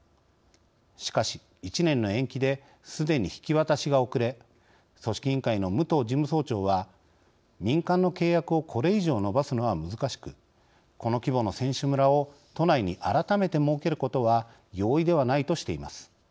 しかし１年の延期ですでに引き渡しが遅れ組織委員会の武藤事務総長は「民間の契約をこれ以上延ばすのは難しくこの規模の選手村を都内に改めて設けることは容易ではない」としています。